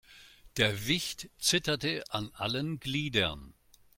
Der Wicht zitterte an allen Gliedern.